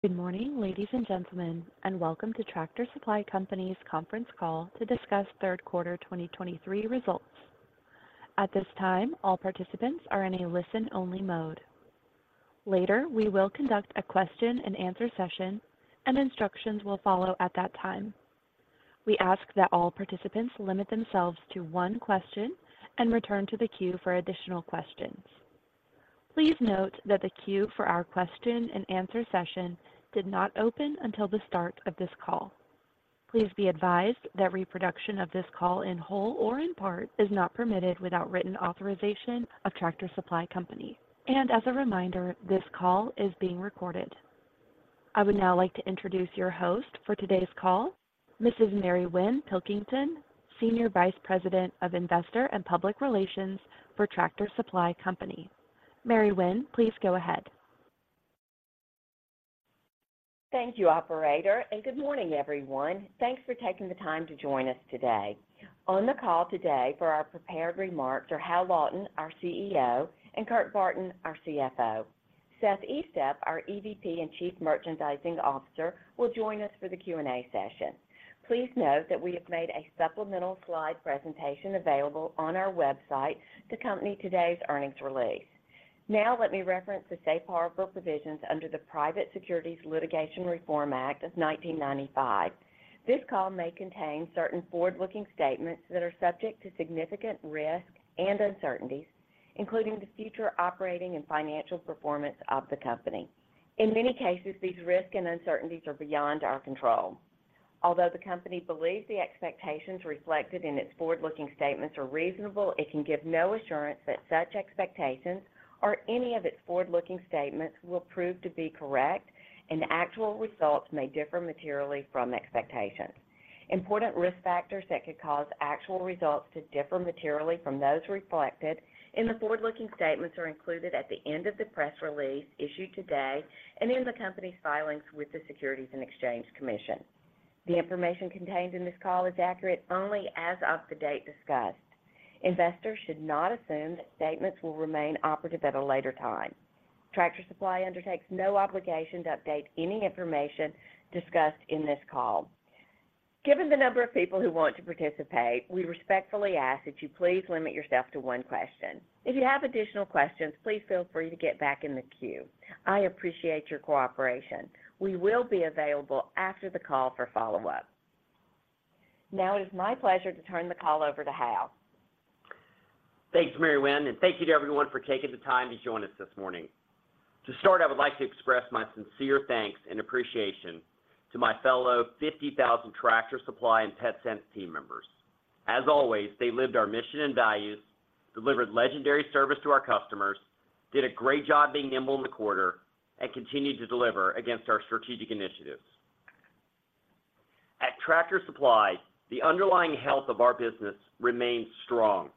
Good morning, ladies and gentlemen, and welcome to Tractor Supply Company's conference call to discuss third quarter 2023 results. At this time, all participants are in a listen-only mode. Later, we will conduct a question-and-answer session, and instructions will follow at that time. We ask that all participants limit themselves to one question and return to the queue for additional questions. Please note that the queue for our question-and-answer session did not open until the start of this call. Please be advised that reproduction of this call in whole or in part is not permitted without written authorization of Tractor Supply Company. As a reminder, this call is being recorded. I would now like to introduce your host for today's call, Mrs. Mary Winn Pilkington, Senior Vice President of Investor and Public Relations for Tractor Supply Company. Mary Winn, please go ahead. Thank you, operator, and good morning, everyone. Thanks for taking the time to join us today. On the call today for our prepared remarks are Hal Lawton, our CEO, and Kurt Barton, our CFO. Seth Estep, our EVP and Chief Merchandising Officer, will join us for the Q&A session. Please note that we have made a supplemental slide presentation available on our website to accompany today's earnings release. Now, let me reference the safe harbor provisions under the Private Securities Litigation Reform Act of 1995. This call may contain certain forward-looking statements that are subject to significant risk and uncertainties, including the future operating and financial performance of the company. In many cases, these risks and uncertainties are beyond our control. Although the company believes the expectations reflected in its forward-looking statements are reasonable, it can give no assurance that such expectations or any of its forward-looking statements will prove to be correct, and actual results may differ materially from expectations. Important risk factors that could cause actual results to differ materially from those reflected in the forward-looking statements are included at the end of the press release issued today and in the company's filings with the Securities and Exchange Commission. The information contained in this call is accurate only as of the date discussed. Investors should not assume that statements will remain operative at a later time. Tractor Supply undertakes no obligation to update any information discussed in this call. Given the number of people who want to participate, we respectfully ask that you please limit yourself to one question. If you have additional questions, please feel free to get back in the queue. I appreciate your cooperation. We will be available after the call for follow-up. Now it is my pleasure to turn the call over to Hal. Thanks, Mary Winn, and thank you to everyone for taking the time to join us this morning. To start, I would like to express my sincere thanks and appreciation to my fellow 50,000 Tractor Supply and Petsense team members. As always, they lived our mission and values, delivered legendary service to our customers, did a great job being nimble in the quarter, and continued to deliver against our strategic initiatives. At Tractor Supply, the underlying health of our business remains strong.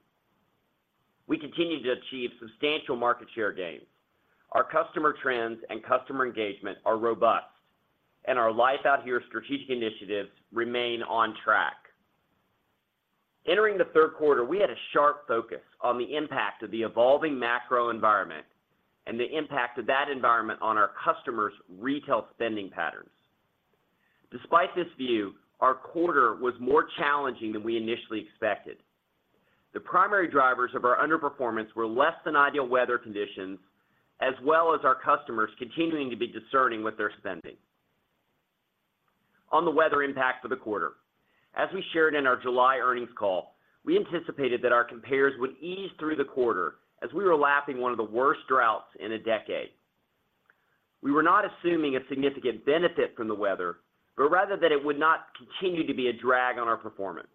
We continue to achieve substantial market share gains. Our customer trends and customer engagement are robust, and our Life Out Here strategic initiatives remain on track. Entering the third quarter, we had a sharp focus on the impact of the evolving macro environment and the impact of that environment on our customers' retail spending patterns. Despite this view, our quarter was more challenging than we initially expected. The primary drivers of our underperformance were less than ideal weather conditions, as well as our customers continuing to be discerning with their spending. On the weather impact for the quarter. As we shared in our July earnings call, we anticipated that our compares would ease through the quarter as we were lapping one of the worst droughts in a decade. We were not assuming a significant benefit from the weather, but rather that it would not continue to be a drag on our performance.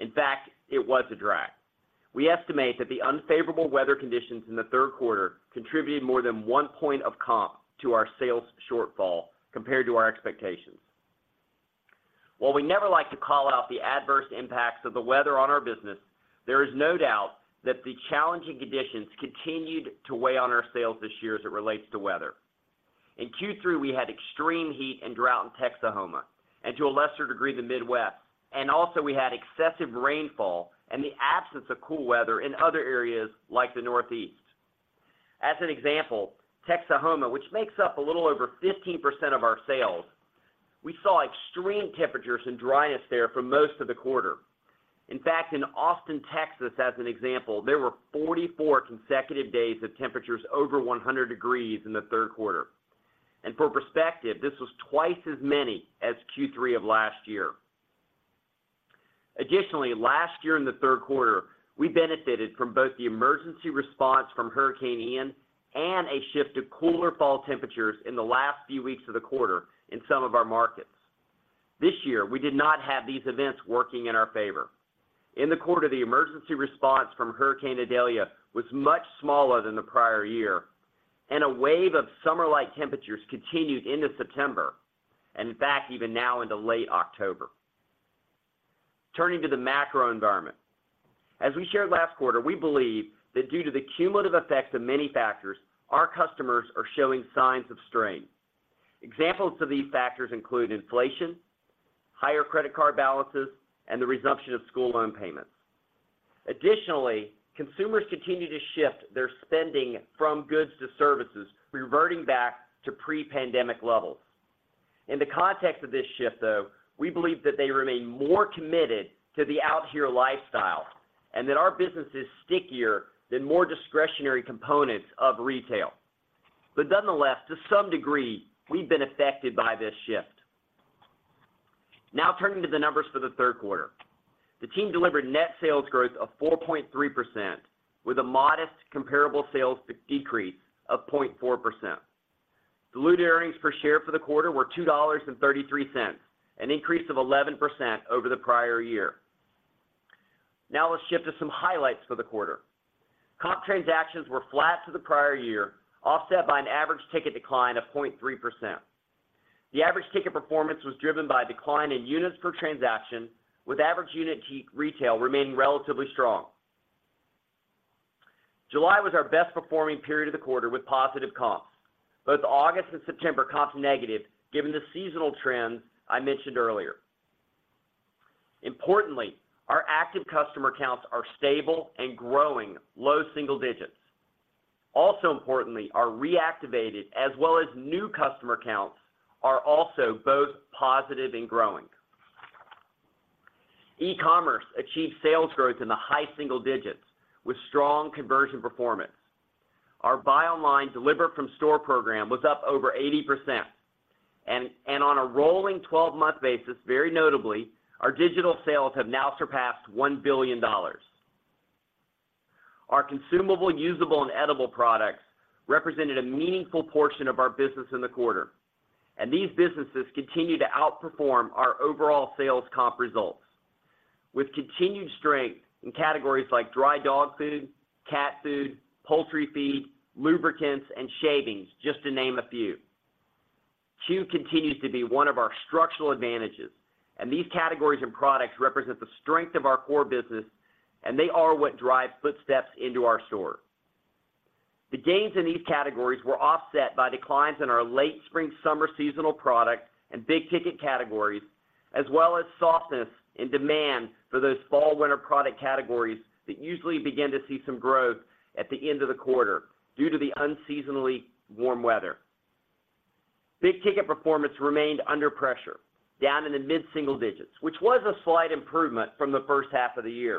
In fact, it was a drag. We estimate that the unfavorable weather conditions in the third quarter contributed more than one point of comp to our sales shortfall compared to our expectations. While we never like to call out the adverse impacts of the weather on our business, there is no doubt that the challenging conditions continued to weigh on our sales this year as it relates to weather. In Q3, we had extreme heat and drought in Texoma, and to a lesser degree, the Midwest, and also we had excessive rainfall and the absence of cool weather in other areas like the Northeast. As an example, Texoma, which makes up a little over 15% of our sales, we saw extreme temperatures and dryness there for most of the quarter. In fact, in Austin, Texas, as an example, there were 44 consecutive days of temperatures over 100 degrees in the third quarter. For perspective, this was twice as many as Q3 of last year. Additionally, last year in the third quarter, we benefited from both the emergency response from Hurricane Ian and a shift to cooler fall temperatures in the last few weeks of the quarter in some of our markets. This year, we did not have these events working in our favor. In the quarter, the emergency response from Hurricane Idalia was much smaller than the prior year, and a wave of summer-like temperatures continued into September, and in fact, even now into late October. Turning to the macro environment. As we shared last quarter, we believe that due to the cumulative effects of many factors, our customers are showing signs of strain. Examples of these factors include inflation, higher credit card balances, and the resumption of school loan payments. Additionally, consumers continue to shift their spending from goods to services, reverting back to pre-pandemic levels. In the context of this shift, though, we believe that they remain more committed to the Out Here lifestyle and that our business is stickier than more discretionary components of retail. But nonetheless, to some degree, we've been affected by this shift. Now, turning to the numbers for the third quarter. The team delivered net sales growth of 4.3%, with a modest comparable sales decrease of 0.4%. Diluted earnings per share for the quarter were $2.33, an increase of 11% over the prior year. Now let's shift to some highlights for the quarter. Comp transactions were flat to the prior year, offset by an average ticket decline of 0.3%. The average ticket performance was driven by a decline in units per transaction, with average unit retail remaining relatively strong. July was our best performing period of the quarter with positive comps. Both August and September comps negative, given the seasonal trends I mentioned earlier. Importantly, our active customer counts are stable and growing low single digits. Also importantly, our reactivated as well as new customer counts are also both positive and growing. E-commerce achieved sales growth in the high single digits with strong conversion performance. Our buy online, deliver from store program was up over 80%, and on a rolling 12-month basis, very notably, our digital sales have now surpassed $1 billion. Our consumable, usable, and edible products represented a meaningful portion of our business in the quarter, and these businesses continue to outperform our overall sales comp results. With continued strength in categories like dry dog food, cat food, poultry feed, lubricants, and shavings, just to name a few. C.U.E. continues to be one of our structural advantages, and these categories and products represent the strength of our core business, and they are what drives footsteps into our store. The gains in these categories were offset by declines in our late spring, summer seasonal product and big-ticket categories, as well as softness in demand for those fall, winter product categories that usually begin to see some growth at the end of the quarter due to the unseasonably warm weather. Big-ticket performance remained under pressure, down in the mid-single digits, which was a slight improvement from the first half of the year.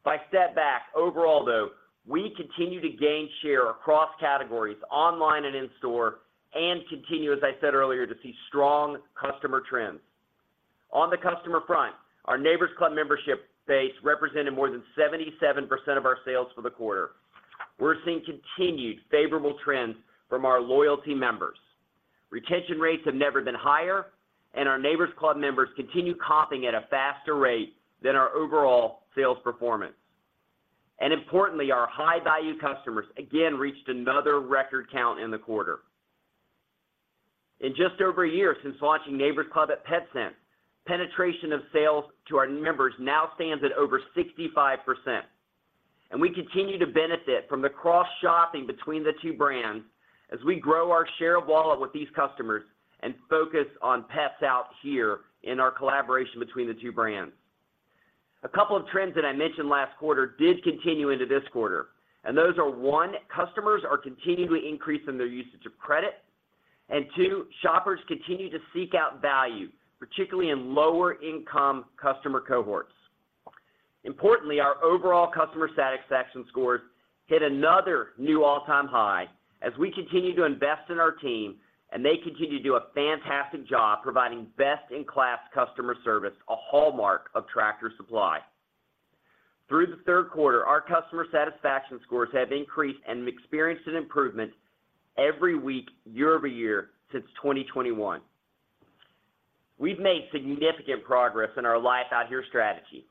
If I step back, overall, though, we continue to gain share across categories, online and in-store, and continue, as I said earlier, to see strong customer trends. On the customer front, our Neighbor's Club membership base represented more than 77% of our sales for the quarter. We're seeing continued favorable trends from our loyalty members. Retention rates have never been higher, and our Neighbor's Club members continue comping at a faster rate than our overall sales performance. Importantly, our high-value customers again reached another record count in the quarter. In just over a year since launching Neighbor's Club at Petsense, penetration of sales to our members now stands at over 65%, and we continue to benefit from the cross-shopping between the two brands as we grow our share of wallet with these customers and focus on Pets Out Here in our collaboration between the two brands. A couple of trends that I mentioned last quarter did continue into this quarter, and those are, one, customers are continually increasing their usage of credit, and two, shoppers continue to seek out value, particularly in lower-income customer cohorts. Importantly, our overall customer satisfaction scores hit another new all-time high as we continue to invest in our team, and they continue to do a fantastic job providing best-in-class customer service, a hallmark of Tractor Supply. Through the third quarter, our customer satisfaction scores have increased and experienced an improvement every week, year-over-year, since 2021. We've made significant progress in our Life Out Here strategy.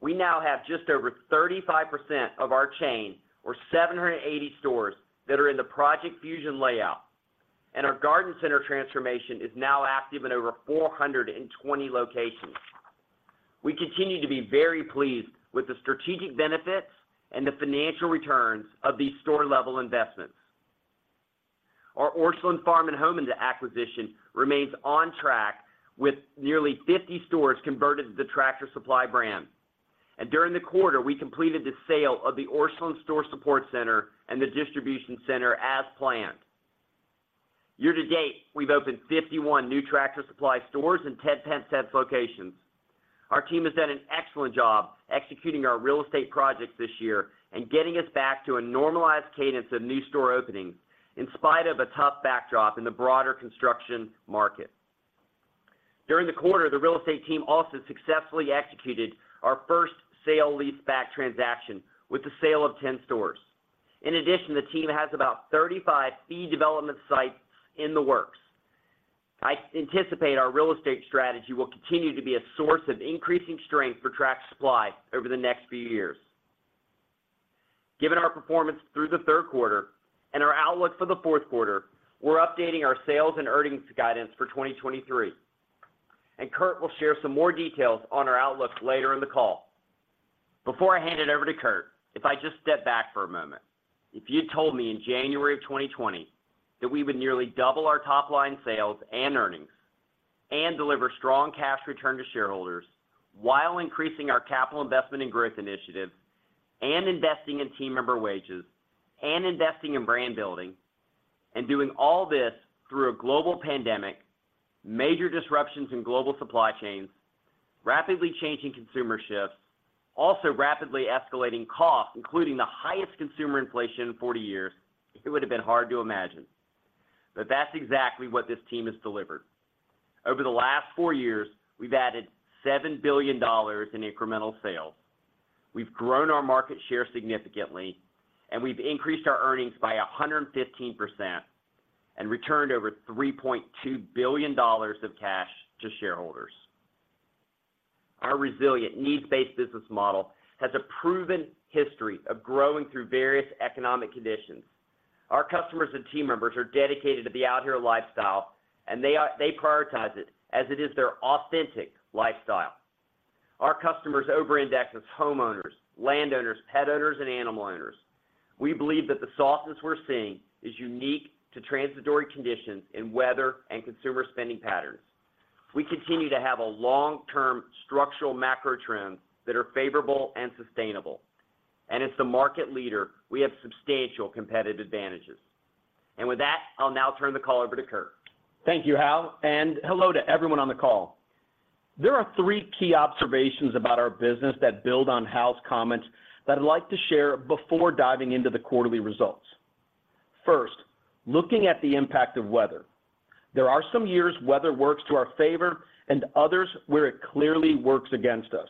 We now have just over 35% of our chain, or 780 stores, that are in the Project Fusion layout, and our garden center transformation is now active in over 420 locations. We continue to be very pleased with the strategic benefits and the financial returns of these store-level investments. Our Orscheln Farm & Home acquisition remains on track with nearly 50 stores converted to the Tractor Supply brand. During the quarter, we completed the sale of the Orscheln Store Support Center and the distribution center as planned. Year to date, we've opened 51 new Tractor Supply stores and 10 Petsense locations. Our team has done an excellent job executing our real estate projects this year and getting us back to a normalized cadence of new store openings in spite of a tough backdrop in the broader construction market. During the quarter, the real estate team also successfully executed our first sale-leaseback transaction with the sale of 10 stores. In addition, the team has about 35 fee development sites in the works. I anticipate our real estate strategy will continue to be a source of increasing strength for Tractor Supply over the next few years. Given our performance through the third quarter and our outlook for the fourth quarter, we're updating our sales and earnings guidance for 2023, and Kurt will share some more details on our outlook later in the call. Before I hand it over to Kurt, if I just step back for a moment. If you told me in January of 2020 that we would nearly double our top-line sales and earnings and deliver strong cash return to shareholders, while increasing our capital investment and growth initiatives, and investing in team member wages, and investing in brand building, and doing all this through a global pandemic, major disruptions in global supply chains, rapidly changing consumer shifts, also rapidly escalating costs, including the highest consumer inflation in 40 years, it would have been hard to imagine. But that's exactly what this team has delivered. Over the last four years, we've added $7 billion in incremental sales. We've grown our market share significantly, and we've increased our earnings by 115% and returned over $3.2 billion of cash to shareholders. Our resilient, needs-based business model has a proven history of growing through various economic conditions. Our customers and team members are dedicated to the Life Out Here lifestyle, and they are, they prioritize it as it is their authentic lifestyle. Our customers over-index as homeowners, landowners, pet owners, and animal owners. We believe that the softness we're seeing is unique to transitory conditions in weather and consumer spending patterns. We continue to have long-term structural macro trends that are favorable and sustainable. As the market leader, we have substantial competitive advantages. With that, I'll now turn the call over to Kurt. Thank you, Hal, and hello to everyone on the call. There are three key observations about our business that build on Hal's comments that I'd like to share before diving into the quarterly results. First, looking at the impact of weather. There are some years weather works to our favor and others where it clearly works against us.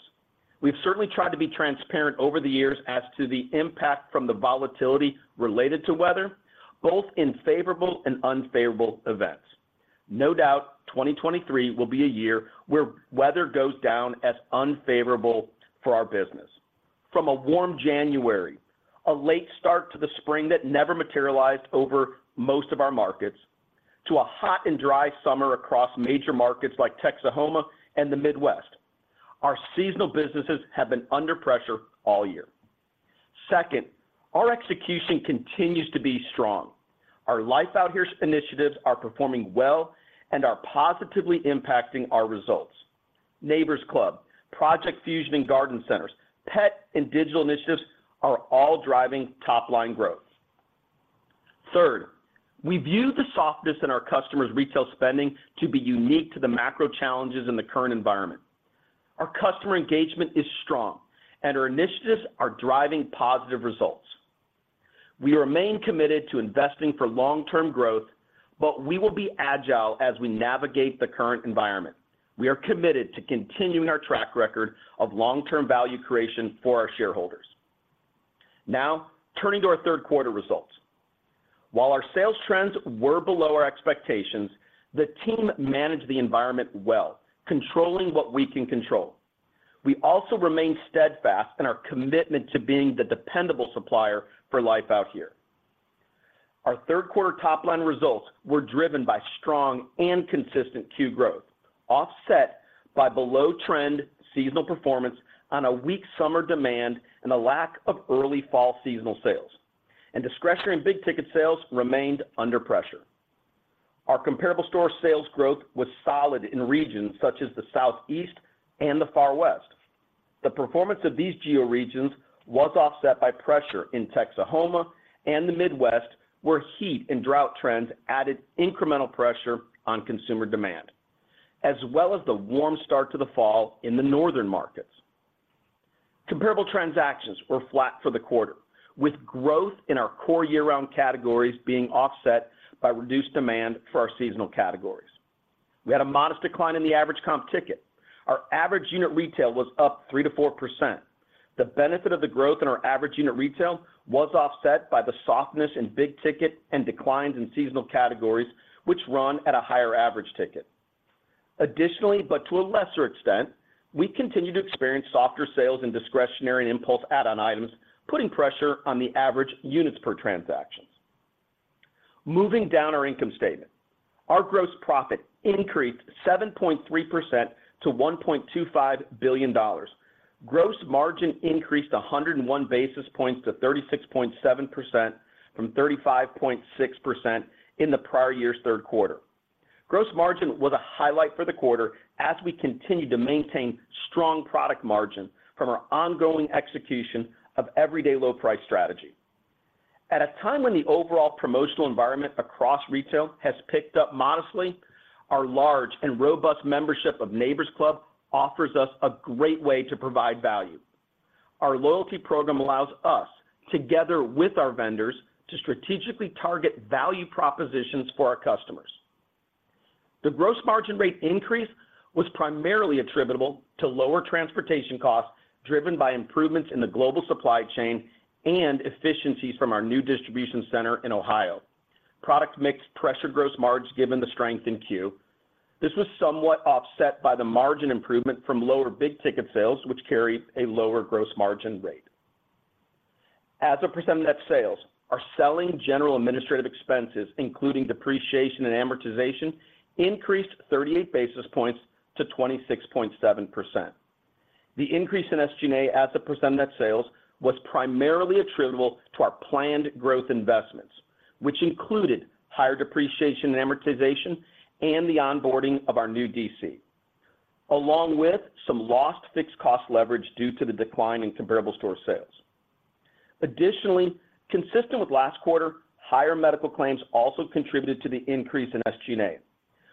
We've certainly tried to be transparent over the years as to the impact from the volatility related to weather, both in favorable and unfavorable events. No doubt, 2023 will be a year where weather goes down as unfavorable for our business. From a warm January, a late start to the spring that never materialized over most of our markets, to a hot and dry summer across major markets like Texoma and the Midwest, our seasonal businesses have been under pressure all year. Second, our execution continues to be strong. Our Life Out Here initiatives are performing well and are positively impacting our results. Neighbor's Club, Project Fusion and Garden Centers, pet and digital initiatives are all driving top-line growth. Third, we view the softness in our customers' retail spending to be unique to the macro challenges in the current environment. Our customer engagement is strong, and our initiatives are driving positive results. We remain committed to investing for long-term growth, but we will be agile as we navigate the current environment. We are committed to continuing our track record of long-term value creation for our shareholders. Now, turning to our third quarter results. While our sales trends were below our expectations, the team managed the environment well, controlling what we can control. We also remain steadfast in our commitment to being the dependable supplier for Life Out Here. Our third quarter top-line results were driven by strong and consistent comp growth, offset by below-trend seasonal performance on a weak summer demand and a lack of early fall seasonal sales. Discretionary and big ticket sales remained under pressure. Our comparable store sales growth was solid in regions such as the Southeast and the Far West. The performance of these geo regions was offset by pressure in Texoma and the Midwest, where heat and drought trends added incremental pressure on consumer demand, as well as the warm start to the fall in the northern markets. Comparable transactions were flat for the quarter, with growth in our core year-round categories being offset by reduced demand for our seasonal categories. We had a modest decline in the average comp ticket. Our average unit retail was up 3%-4%. The benefit of the growth in our average unit retail was offset by the softness in big ticket and declines in seasonal categories, which run at a higher average ticket. Additionally, but to a lesser extent, we continue to experience softer sales in discretionary and impulse add-on items, putting pressure on the average units per transactions. Moving down our income statement. Our gross profit increased 7.3% to $1.25 billion. Gross margin increased 101 basis points to 36.7% from 35.6% in the prior year's third quarter. Gross margin was a highlight for the quarter as we continued to maintain strong product margin from our ongoing execution of Everyday Low Price strategy. At a time when the overall promotional environment across retail has picked up modestly, our large and robust membership of Neighbor's Club offers us a great way to provide value. Our loyalty program allows us, together with our vendors, to strategically target value propositions for our customers. The gross margin rate increase was primarily attributable to lower transportation costs, driven by improvements in the global supply chain and efficiencies from our new distribution center in Ohio. Product mix pressured gross margin given the strength in C.U.E. This was somewhat offset by the margin improvement from lower big-ticket sales, which carry a lower gross margin rate. As a percent of net sales, our selling general administrative expenses, including depreciation and amortization, increased 38 basis points to 26.7%. The increase in SG&A as a percent of net sales was primarily attributable to our planned growth investments, which included higher depreciation and amortization and the onboarding of our new DC, along with some lost fixed cost leverage due to the decline in comparable store sales. Additionally, consistent with last quarter, higher medical claims also contributed to the increase in SG&A.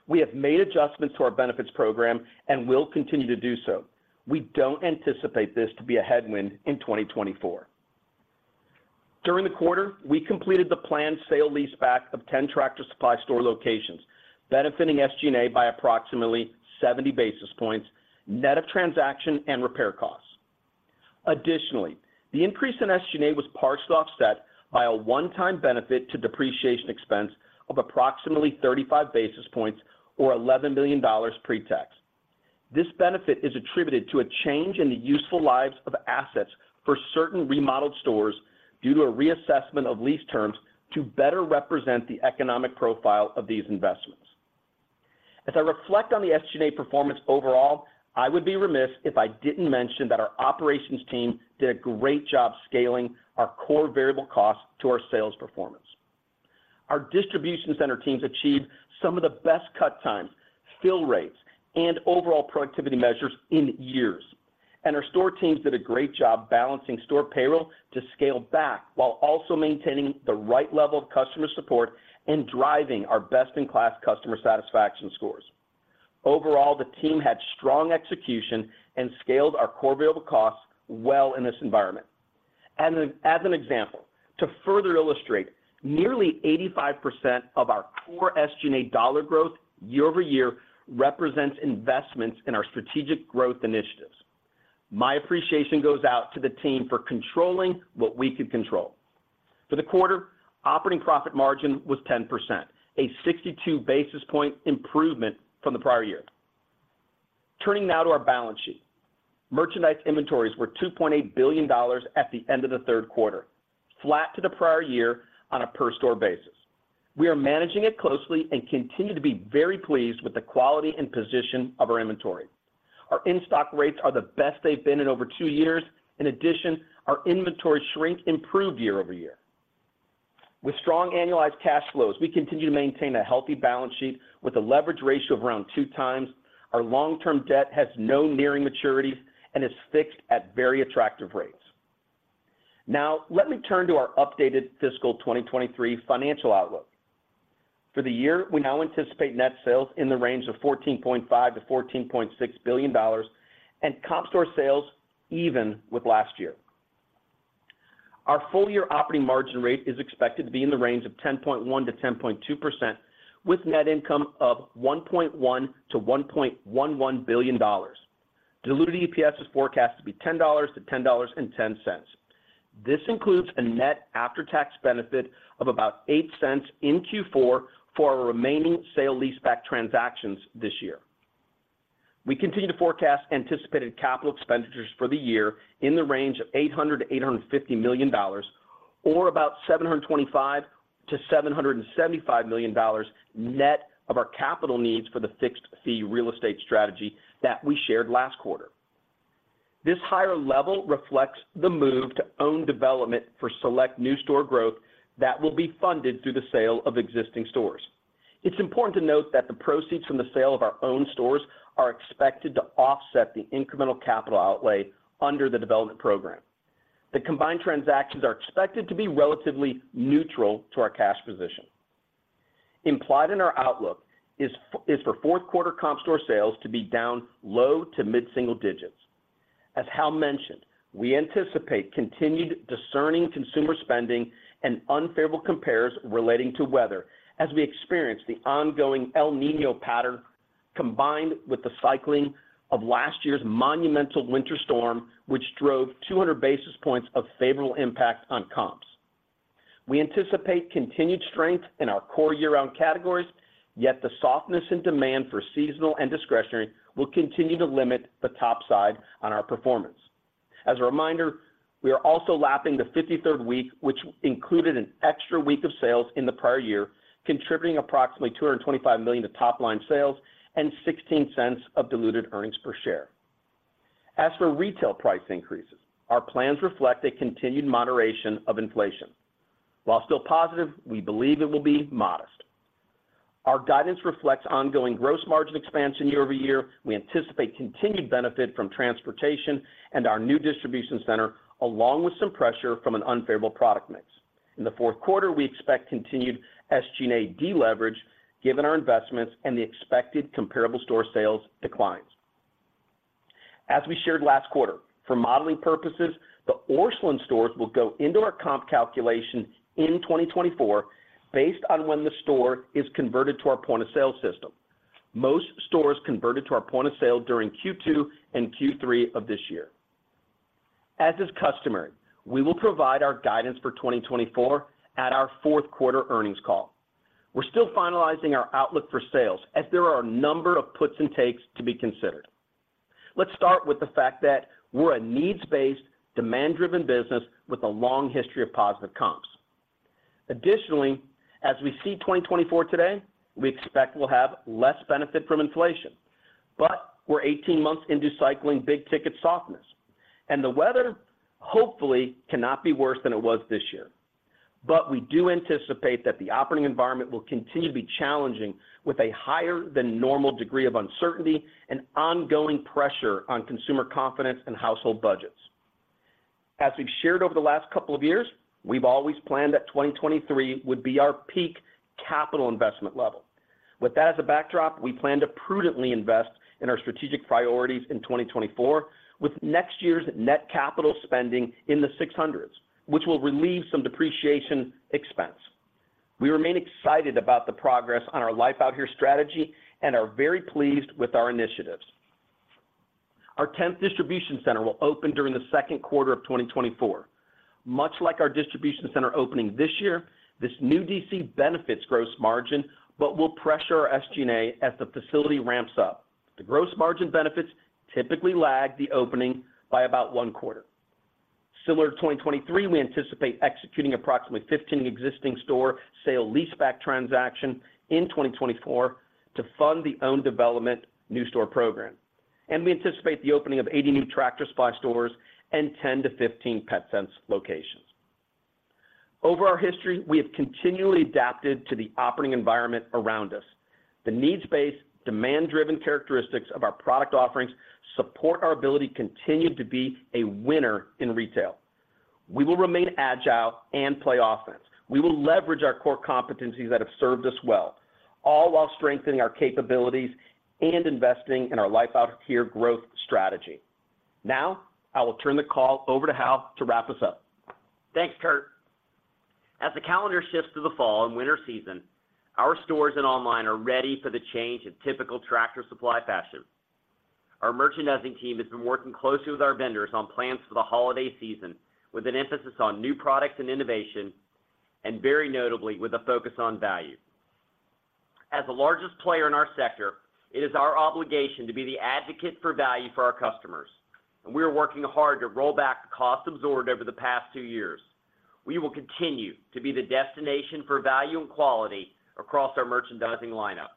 We have made adjustments to our benefits program and will continue to do so. We don't anticipate this to be a headwind in 2024. During the quarter, we completed the planned sale-leaseback of 10 Tractor Supply store locations, benefiting SG&A by approximately 70 basis points, net of transaction and repair costs. Additionally, the increase in SG&A was partially offset by a one-time benefit to depreciation expense of approximately 35 basis points or $11 million pre-tax. This benefit is attributed to a change in the useful lives of assets for certain remodeled stores due to a reassessment of lease terms to better represent the economic profile of these investments. As I reflect on the SG&A performance overall, I would be remiss if I didn't mention that our operations team did a great job scaling our core variable costs to our sales performance. Our distribution center teams achieved some of the best cut times, fill rates, and overall productivity measures in years. Our store teams did a great job balancing store payroll to scale back while also maintaining the right level of customer support and driving our best-in-class customer satisfaction scores. Overall, the team had strong execution and scaled our core variable costs well in this environment. As an example, to further illustrate, nearly 85% of our core SG&A dollar growth year-over-year represents investments in our strategic growth initiatives. My appreciation goes out to the team for controlling what we could control. For the quarter, operating profit margin was 10%, a 62 basis point improvement from the prior year. Turning now to our balance sheet. Merchandise inventories were $2.8 billion at the end of the third quarter, flat to the prior year on a per store basis. We are managing it closely and continue to be very pleased with the quality and position of our inventory. Our in-stock rates are the best they've been in over two years. In addition, our inventory shrink improved year-over-year. With strong annualized cash flows, we continue to maintain a healthy balance sheet with a leverage ratio of around 2x. Our long-term debt has no nearing maturities and is fixed at very attractive rates. Now, let me turn to our updated fiscal 2023 financial outlook. For the year, we now anticipate net sales in the range of $14.5 billion-$14.6 billion and comp store sales even with last year. Our full year operating margin rate is expected to be in the range of 10.1%-10.2%, with net income of $1.1 billion-$1.11 billion. Diluted EPS is forecast to be $10.00-$10.10. This includes a net after-tax benefit of about $0.08 in Q4 for our remaining sale-leaseback transactions this year. We continue to forecast anticipated capital expenditures for the year in the range of $800 million-$850 million or about $725 million-$775 million net of our capital needs for the fixed fee real estate strategy that we shared last quarter. This higher level reflects the move to own development for select new store growth that will be funded through the sale of existing stores. It's important to note that the proceeds from the sale of our own stores are expected to offset the incremental capital outlay under the development program. The combined transactions are expected to be relatively neutral to our cash position. Implied in our outlook is for fourth quarter comp store sales to be down low- to mid-single digits. As Hal mentioned, we anticipate continued discerning consumer spending and unfavorable compares relating to weather as we experience the ongoing El Niño pattern, combined with the cycling of last year's monumental winter storm, which drove 200 basis points of favorable impact on comps. We anticipate continued strength in our core year-round categories, yet the softness and demand for seasonal and discretionary will continue to limit the top side on our performance. As a reminder, we are also lapping the 53rd week, which included an extra week of sales in the prior year, contributing approximately $225 million to top-line sales and $0.16 of diluted earnings per share. As for retail price increases, our plans reflect a continued moderation of inflation. While still positive, we believe it will be modest. Our guidance reflects ongoing gross margin expansion year-over- year. We anticipate continued benefit from transportation and our new distribution center, along with some pressure from an unfavorable product mix. In the fourth quarter, we expect continued SG&A deleverage, given our investments and the expected comparable store sales declines. As we shared last quarter, for modeling purposes, the Orscheln stores will go into our comp calculation in 2024 based on when the store is converted to our point of sale system. Most stores converted to our point of sale during Q2 and Q3 of this year. As is customary, we will provide our guidance for 2024 at our fourth quarter earnings call. We're still finalizing our outlook for sales as there are a number of puts and takes to be considered. Let's start with the fact that we're a needs-based, demand-driven business with a long history of positive comps. Additionally, as we see 2024 today, we expect we'll have less benefit from inflation. But we're 18 months into cycling big-ticket softness, and the weather, hopefully, cannot be worse than it was this year. But we do anticipate that the operating environment will continue to be challenging, with a higher than normal degree of uncertainty and ongoing pressure on consumer confidence and household budgets. As we've shared over the last couple of years, we've always planned that 2023 would be our peak capital investment level. With that as a backdrop, we plan to prudently invest in our strategic priorities in 2024, with next year's net capital spending in the $600 million, which will relieve some depreciation expense. We remain excited about the progress on our Life Out Here strategy and are very pleased with our initiatives. Our tenth distribution center will open during the second quarter of 2024. Much like our distribution center opening this year, this new DC benefits gross margin, but will pressure our SG&A as the facility ramps up. The gross margin benefits typically lag the opening by about one quarter. Similar to 2023, we anticipate executing approximately 15 existing store sale-leaseback transactions in 2024 to fund the own development new store program. And we anticipate the opening of 80 new Tractor Supply stores and 10-15 PetSense locations. Over our history, we have continually adapted to the operating environment around us. The needs-based, demand-driven characteristics of our product offerings support our ability to continue to be a winner in retail. We will remain agile and play offense. We will leverage our core competencies that have served us well, all while strengthening our capabilities and investing in our Life Out Here growth strategy. Now, I will turn the call over to Hal to wrap us up. Thanks, Kurt. As the calendar shifts to the fall and winter season, our stores and online are ready for the change in typical Tractor Supply fashion. Our merchandising team has been working closely with our vendors on plans for the holiday season, with an emphasis on new products and innovation, and very notably, with a focus on value. As the largest player in our sector, it is our obligation to be the advocate for value for our customers, and we are working hard to roll back the cost absorbed over the past two years. We will continue to be the destination for value and quality across our merchandising lineup.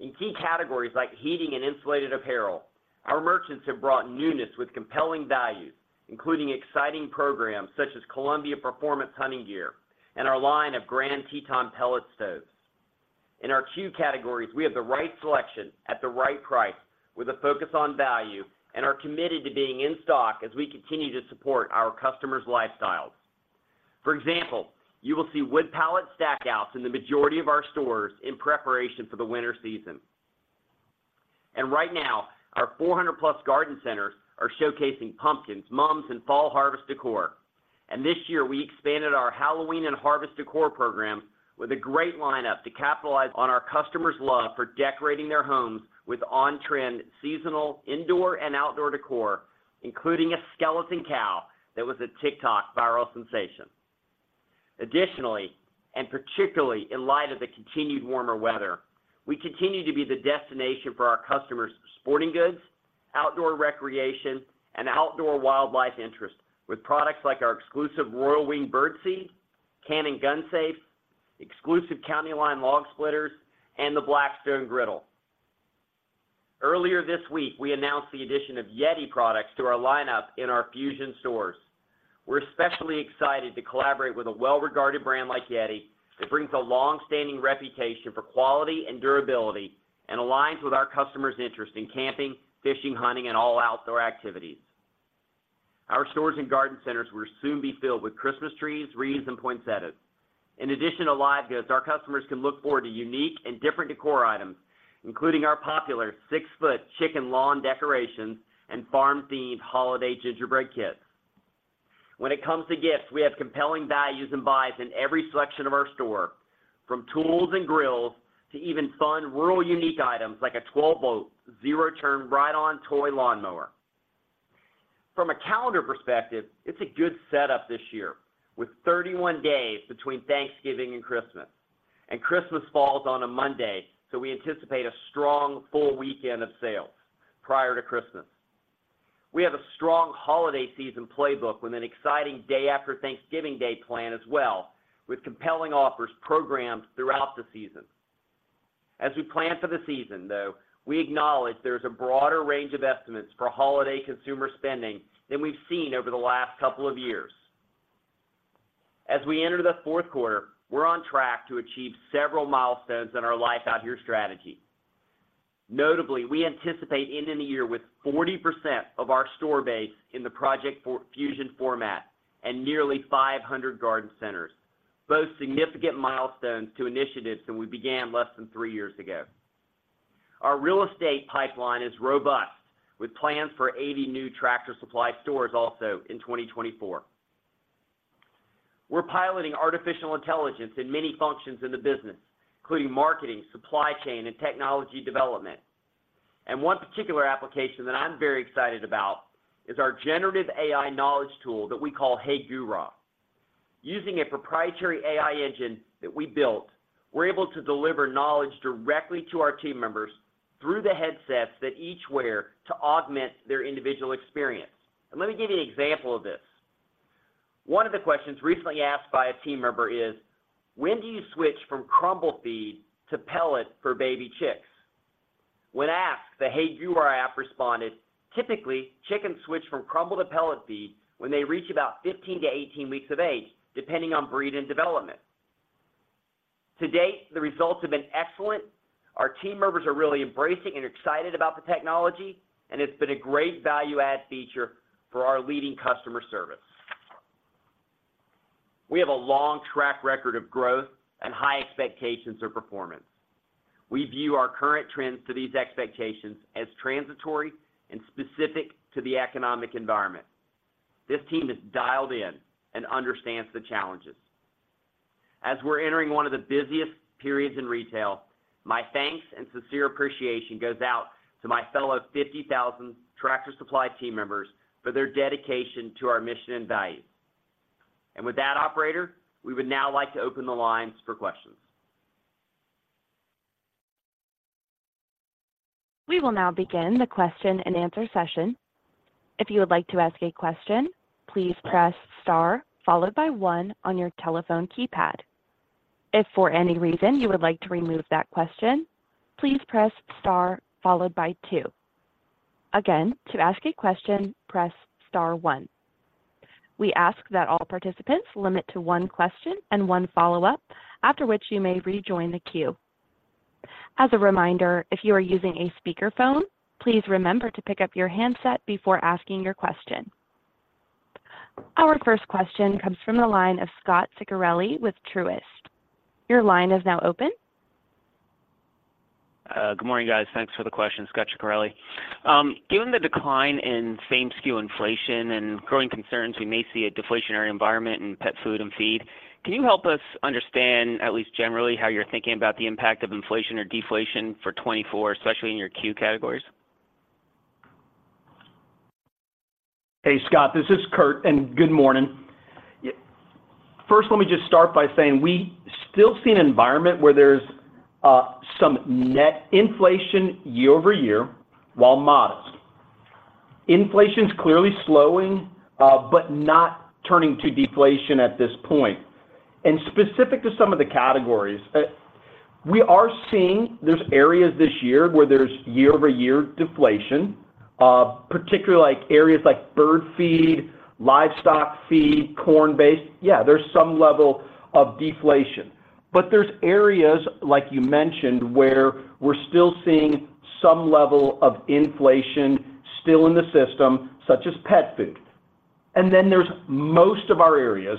In key categories like heating and insulated apparel, our merchants have brought newness with compelling values, including exciting programs such as Columbia Performance Hunting Gear and our line of Grand Teton Pellet Stoves. In our C.U.E. categories, we have the right selection at the right price, with a focus on value, and are committed to being in stock as we continue to support our customers' lifestyles. For example, you will see wood pallet stackouts in the majority of our stores in preparation for the winter season. Right now, our 400+ Garden Centers are showcasing pumpkins, mums, and fall harvest decor. This year, we expanded our Halloween and harvest decor program with a great lineup to capitalize on our customers' love for decorating their homes with on-trend, seasonal, indoor and outdoor decor, including a skeleton cow that was a TikTok viral sensation. Additionally, and particularly in light of the continued warmer weather, we continue to be the destination for our customers' sporting goods, outdoor recreation, and outdoor wildlife interest, with products like our exclusive Royal Wing bird feed, Cannon gun safe, exclusive CountyLine log splitters, and the Blackstone griddle. Earlier this week, we announced the addition of YETI products to our lineup in our Fusion stores. We're especially excited to collaborate with a well-regarded brand like YETI that brings a long-standing reputation for quality and durability, and aligns with our customers' interest in camping, fishing, hunting, and all outdoor activities. Our stores and garden centers will soon be filled with Christmas trees, wreaths, and poinsettias. In addition to live goods, our customers can look forward to unique and different decor items, including our popular six-foot chicken lawn decorations and farm-themed holiday gingerbread kits. When it comes to gifts, we have compelling values and buys in every selection of our store, from tools and grills to even fun, rural, unique items like a 12-volt, zero-turn, ride-on toy lawnmower. From a calendar perspective, it's a good setup this year, with 31 days between Thanksgiving and Christmas. Christmas falls on a Monday, so we anticipate a strong full weekend of sales prior to Christmas. We have a strong holiday season playbook with an exciting day after Thanksgiving Day plan as well, with compelling offers programmed throughout the season. As we plan for the season, though, we acknowledge there's a broader range of estimates for holiday consumer spending than we've seen over the last couple of years. As we enter the fourth quarter, we're on track to achieve several milestones in our Life Out Here strategy. Notably, we anticipate ending the year with 40% of our store base in the Project Fusion format and nearly 500 Garden Centers, both significant milestones to initiatives that we began less than three years ago. Our real estate pipeline is robust, with plans for 80 new Tractor Supply stores also in 2024. We're piloting artificial intelligence in many functions in the business, including marketing, supply chain, and technology development. And one particular application that I'm very excited about is our generative AI knowledge tool that we call Hey GURA. Using a proprietary AI engine that we built, we're able to deliver knowledge directly to our team members through the headsets that they each wear to augment their individual experience. Let me give you an example of this. One of the questions recently asked by a team member is: When do you switch from crumble feed to pellet for baby chicks? When asked, the Hey GURA app responded, "Typically, chickens switch from crumble to pellet feed when they reach about 15 weeks-18 weeks of age, depending on breed and development." To date, the results have been excellent. Our team members are really embracing and excited about the technology, and it's been a great value-add feature for our leading customer service. We have a long track record of growth and high expectations of performance. We view our current trends to these expectations as transitory and specific to the economic environment. This team is dialed in and understands the challenges. As we're entering one of the busiest periods in retail, my thanks and sincere appreciation goes out to my fellow 50,000 Tractor Supply team members for their dedication to our mission and values. With that, operator, we would now like to open the lines for questions. We will now begin the question-and-answer session. If you would like to ask a question, please press star followed by one on your telephone keypad. If for any reason you would like to remove that question, please press star followed by two. Again, to ask a question, press star one. We ask that all participants limit to one question and one follow-up, after which you may rejoin the queue. As a reminder, if you are using a speakerphone, please remember to pick up your handset before asking your question. Our first question comes from the line of Scot Ciccarelli with Truist. Your line is now open. Good morning, guys. Thanks for the questions. Scot Ciccarelli. Given the decline in same-SKU inflation and growing concerns, we may see a deflationary environment in pet food and feed. Can you help us understand, at least generally, how you're thinking about the impact of inflation or deflation for 2024, especially in your C.U.E. categories? Hey, Scot, this is Kurt, and good morning. First, let me just start by saying we still see an environment where there's some net inflation year-over-year, while modest. Inflation is clearly slowing, but not turning to deflation at this point. And specific to some of the categories, we are seeing there's areas this year where there's year-over-year deflation, particularly like areas like bird feed, livestock feed, corn-based. Yeah, there's some level of deflation, but there's areas, like you mentioned, where we're still seeing some level of inflation still in the system, such as pet food. And then there's most of our areas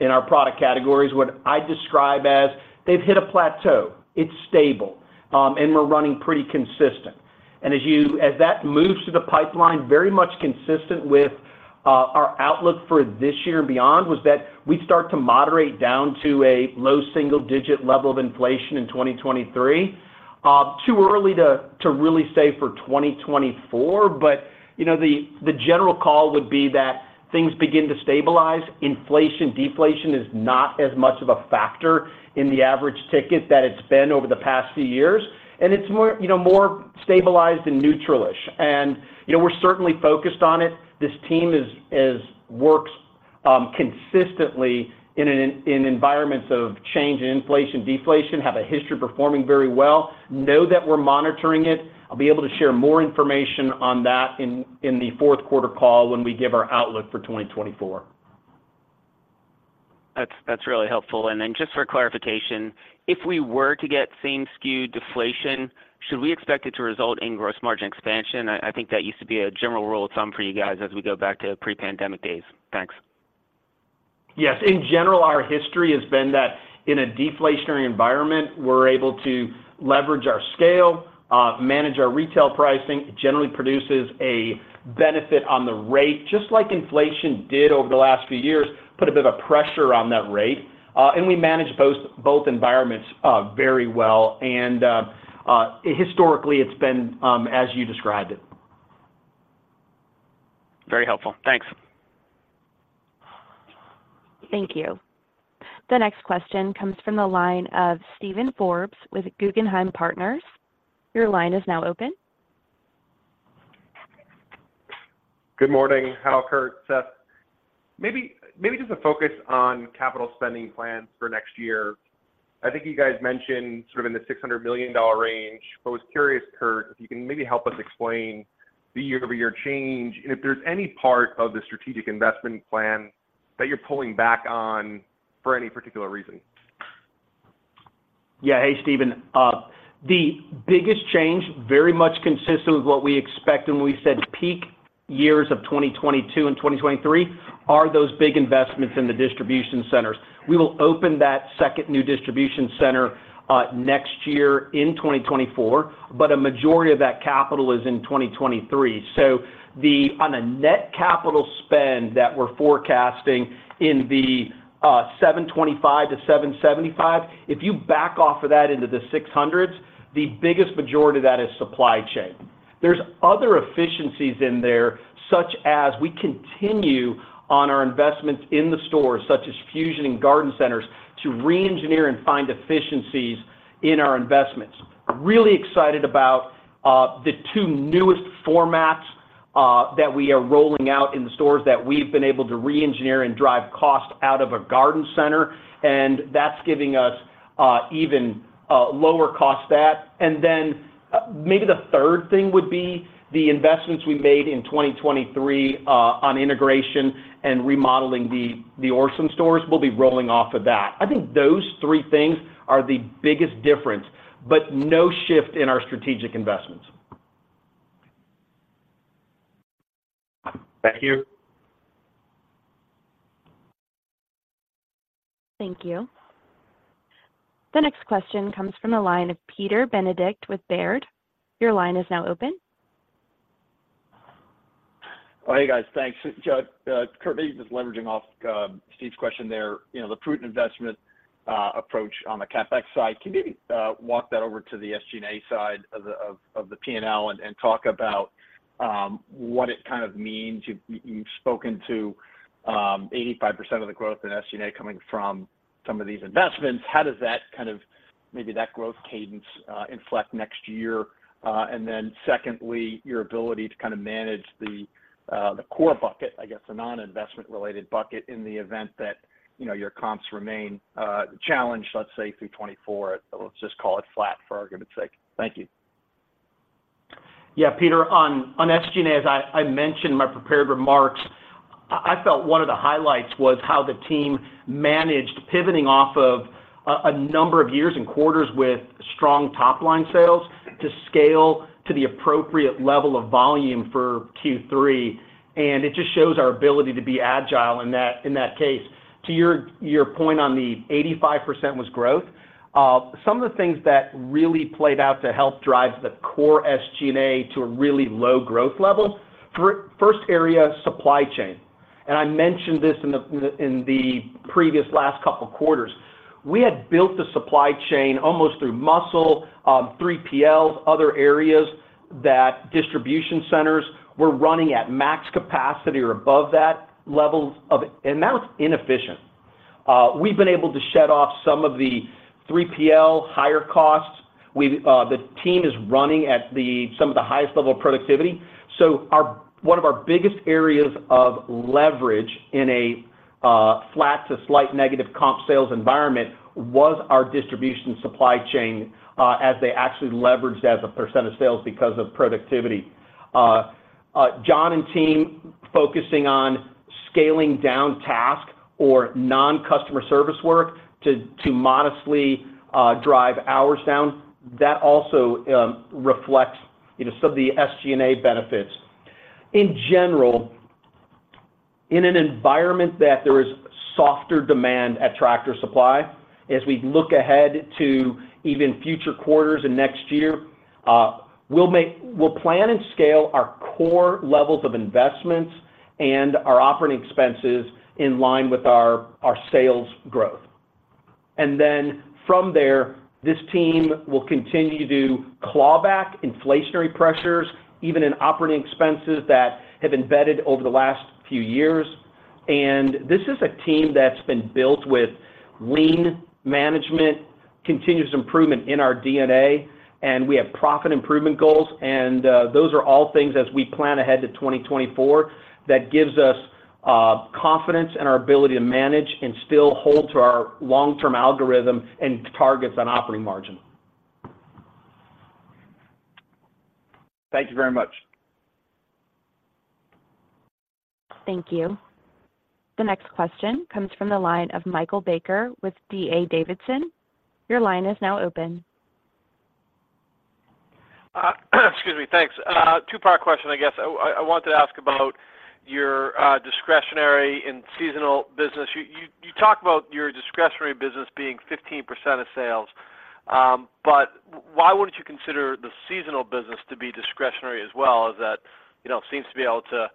in our product categories, what I describe as they've hit a plateau, it's stable, and we're running pretty consistent. As that moves through the pipeline, very much consistent with our outlook for this year and beyond, was that we start to moderate down to a low single-digit level of inflation in 2023. Too early to really say for 2024, but, you know, the general call would be that things begin to stabilize. Inflation, deflation is not as much of a factor in the average ticket that it's been over the past few years, and it's more, you know, more stabilized and neutral-ish, and, you know, we're certainly focused on it. This team works consistently in environments of change in inflation, deflation, have a history of performing very well. Know that we're monitoring it. I'll be able to share more information on that in the fourth quarter call when we give our outlook for 2024. That's really helpful. And then just for clarification, if we were to get same-SKU deflation, should we expect it to result in gross margin expansion? I think that used to be a general rule of thumb for you guys as we go back to pre-pandemic days. Thanks. Yes. In general, our history has been that in a deflationary environment, we're able to leverage our scale, manage our retail pricing. It generally produces a benefit on the rate, just like inflation did over the last few years, put a bit of pressure on that rate, and we manage both, both environments, very well, and historically, it's been as you described it. Very helpful. Thanks. Thank you. The next question comes from the line of Steven Forbes with Guggenheim Partners. Your line is now open. Good morning, Hal, Kurt, Seth. Maybe, maybe just a focus on capital spending plans for next year. I think you guys mentioned sort of in the $600 million range, but was curious, Kurt, if you can maybe help us explain the year-over-year change, and if there's any part of the strategic investment plan that you're pulling back on for any particular reason? Yeah. Hey, Steven. The biggest change, very much consistent with what we expect, and we said peak years of 2022 and 2023, are those big investments in the distribution centers. We will open that second new distribution center next year in 2024, but a majority of that capital is in 2023. So on a net capital spend that we're forecasting in the $725-$775, if you back off of that into the 600s, the biggest majority of that is supply chain. There's other efficiencies in there, such as we continue on our investments in the stores, such as Fusion and Garden Centers, to reengineer and find efficiencies in our investments. Really excited about the two newest formats that we are rolling out in the stores that we've been able to reengineer and drive cost out of a garden center, and that's giving us even lower cost that. And then maybe the third thing would be the investments we made in 2023 on integration and remodeling the Orscheln stores. We'll be rolling off of that. I think those three things are the biggest difference, but no shift in our strategic investments. Thank you. Thank you. The next question comes from the line of Peter Benedict with Baird. Your line is now open. Oh, hey, guys. Thanks. Just, currently just leveraging off, Steve's question there, you know, the prudent investment, approach on the CapEx side. Can you maybe, walk that over to the SG&A side of the P&L and talk about, what it kind of means? You've spoken to, 85% of the growth in SG&A coming from some of these investments. How does that kind of, maybe that growth cadence, inflect next year? And then secondly, your ability to kind of manage the, the core bucket, I guess, the non-investment related bucket, in the event that, you know, your comps remain, challenged, let's say, through 2024. Let's just call it flat for argument's sake. Thank you. Yeah, Peter, on SG&A, as I mentioned in my prepared remarks, I felt one of the highlights was how the team managed pivoting off of a number of years and quarters with strong top-line sales to scale to the appropriate level of volume for Q3. And it just shows our ability to be agile in that case. To your point on the 85% was growth, some of the things that really played out to help drive the core SG&A to a really low growth level. First area, supply chain, and I mentioned this in the previous last couple of quarters. We had built the supply chain almost through muscle, 3PLs, other areas that distribution centers were running at max capacity or above that level and that was inefficient. We've been able to shed off some of the 3PL higher costs. We've, the team is running at some of the highest level of productivity. So our one of our biggest areas of leverage in a flat to slight negative comp sales environment was our distribution supply chain, as they actually leveraged as a percent of sales because of productivity. John and team focusing on scaling down task or non-customer service work to modestly drive hours down, that also reflects, you know, some of the SG&A benefits. In general, in an environment that there is softer demand at Tractor Supply, as we look ahead to even future quarters and next year, we'll plan and scale our core levels of investments and our operating expenses in line with our sales growth. Then from there, this team will continue to clawback inflationary pressures, even in operating expenses that have embedded over the last few years. This is a team that's been built with lean management, continuous improvement in our DNA, and we have profit improvement goals, and those are all things as we plan ahead to 2024, that gives us confidence in our ability to manage and still hold to our long-term algorithm and targets on operating margin. Thank you very much. Thank you. The next question comes from the line of Michael Baker with D.A. Davidson. Your line is now open. Excuse me. Thanks. Two-part question, I guess. I want to ask about your discretionary and seasonal business. You talked about your discretionary business being 15% of sales, but why wouldn't you consider the seasonal business to be discretionary as well, as that you know seems to be able to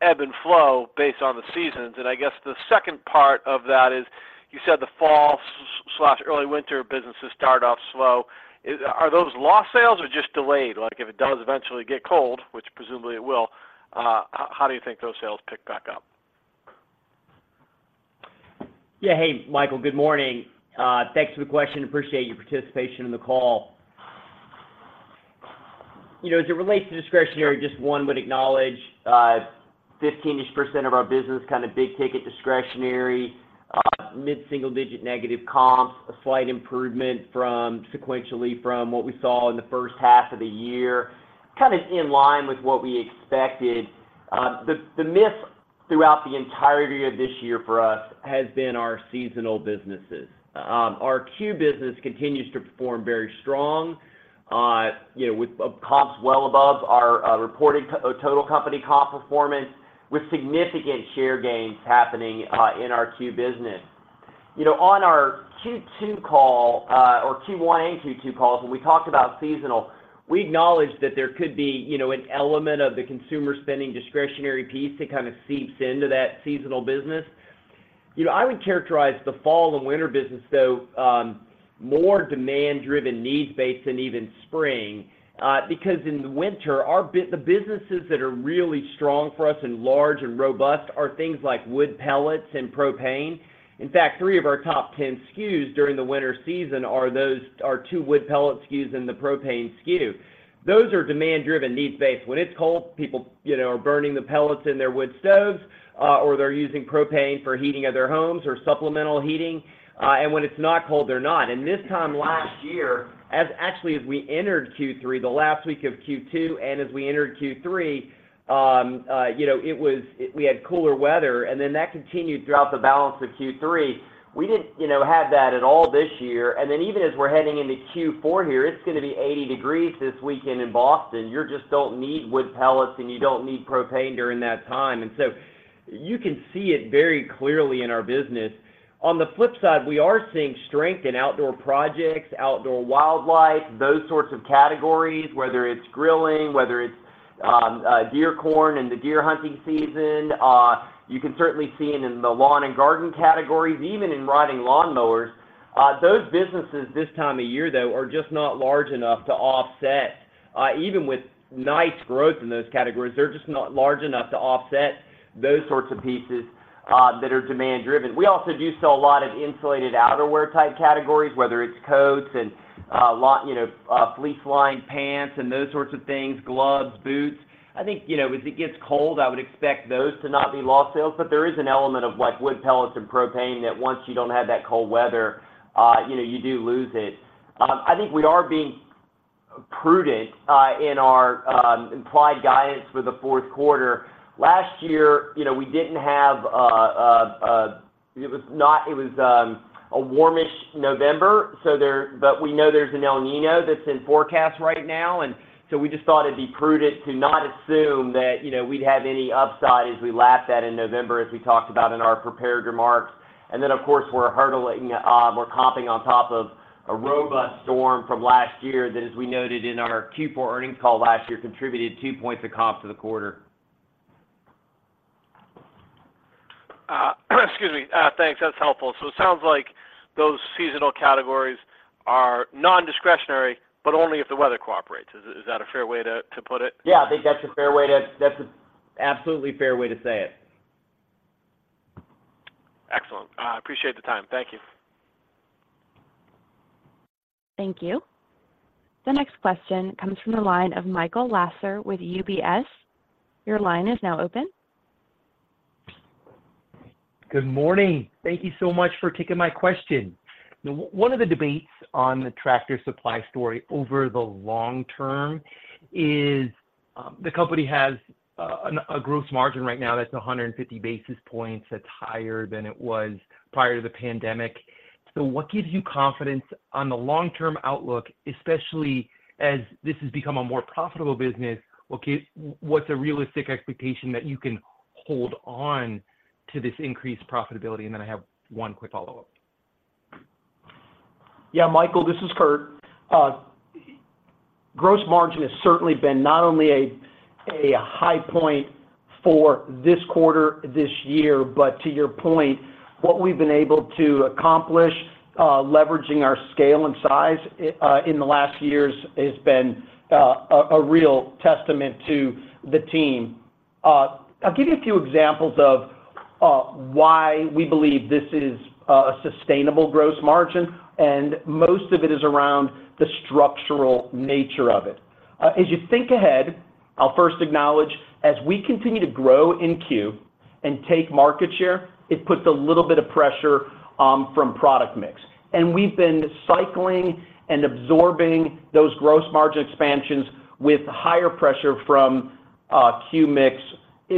ebb and flow based on the seasons? And I guess the second part of that is, you said the fall/early winter business has started off slow. Are those lost sales or just delayed? Like, if it does eventually get cold, which presumably it will, how do you think those sales pick back up? Yeah. Hey, Michael, good morning. Thanks for the question. Appreciate your participation in the call. You know, as it relates to discretionary, just one would acknowledge, 15-ish% of our business, kind of big-ticket discretionary, mid-single-digit negative comps, a slight improvement from sequentially from what we saw in the first half of the year, kind of in line with what we expected. The myth throughout the entirety of this year for us has been our seasonal businesses. Our C.U.E. business continues to perform very strong, you know, with comps well above our reported total company comp performance, with significant share gains happening in our C.U.E. business. You know, on our Q2 call, or Q1 and Q2 calls, when we talked about seasonal, we acknowledged that there could be, you know, an element of the consumer spending discretionary piece that kind of seeps into that seasonal business. You know, I would characterize the fall and winter business, though, more demand-driven, needs-based than even spring, because in the winter, the businesses that are really strong for us and large and robust are things like wood pellets and propane. In fact, three of our top 10 SKUs during the winter season are those, are two wood pellet SKUs and the propane SKU. Those are demand-driven, needs-based. When it's cold, people, you know, are burning the pellets in their wood stoves, or they're using propane for heating of their homes or supplemental heating. And when it's not cold, they're not. And this time last year, as actually, as we entered Q3, the last week of Q2, and as we entered Q3, you know, we had cooler weather, and then that continued throughout the balance of Q3. We didn't, you know, have that at all this year. And then, even as we're heading into Q4 here, it's gonna be 80 degrees this weekend in Boston. You just don't need wood pellets, and you don't need propane during that time. And so you can see it very clearly in our business. On the flip side, we are seeing strength in outdoor projects, outdoor wildlife, those sorts of categories, whether it's grilling, whether it's deer corn in the deer hunting season, you can certainly see it in the lawn and garden categories, even in riding lawn mowers. Those businesses this time of year, though, are just not large enough to offset, even with nice growth in those categories. They're just not large enough to offset those sorts of pieces that are demand-driven. We also do sell a lot of insulated outerwear-type categories, whether it's coats and you know fleece-lined pants and those sorts of things, gloves, boots. I think you know as it gets cold, I would expect those to not be lost sales, but there is an element of like wood pellets and propane that once you don't have that cold weather you know you do lose it. I think we are being prudent in our implied guidance for the fourth quarter. Last year, you know, we didn't have it was a warmish November, so there... Last year, you know, we didn't have it was a warmish November, so there, but we know there's an El Niño that's in forecast right now, and so we just thought it'd be prudent to not assume that, you know, we'd have any upside as we lap that in November, as we talked about in our prepared remarks. And then, of course, we're hurdling, we're comping on top of a robust storm from last year that, as we noted in our Q4 earnings call last year, contributed two points of comp to the quarter. Excuse me. Thanks. That's helpful. So it sounds like those seasonal categories are nondiscretionary, but only if the weather cooperates. Is that a fair way to put it? Yeah, I think that's a fair wa, that's an absolutely fair way to say it. Excellent. I appreciate the time. Thank you. Thank you. The next question comes from the line of Michael Lasser with UBS. Your line is now open. Good morning. Thank you so much for taking my question. One of the debates on the Tractor Supply story over the long term is, the company has a gross margin right now that's 150 basis points. That's higher than it was prior to the pandemic. So what gives you confidence on the long-term outlook, especially as this has become a more profitable business? What gives- what's a realistic expectation that you can hold on to this increased profitability? And then I have one quick follow-up. Yeah, Michael, this is Kurt. Gross margin has certainly been not only a high point for this quarter, this year, but to your point, what we've been able to accomplish, leveraging our scale and size in the last years has been a real testament to the team. I'll give you a few examples of why we believe this is a sustainable gross margin, and most of it is around the structural nature of it. As you think ahead, I'll first acknowledge, as we continue to grow in C.U.E and take market share, it puts a little bit of pressure from product mix. And we've been cycling and absorbing those gross margin expansions with higher pressure from C.U.E. mix